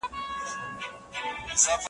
معجزه د اسمانونو له یزدانه تر انسان یم `